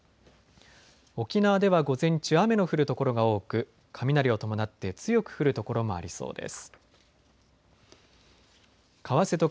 沖縄では午前中、雨の降る所が多く雷を伴って強く降る所もありそうです。